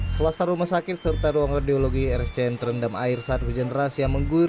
selesai rumah sakit serta ruang radiologi rs cm terendam air satu generasi yang menggulir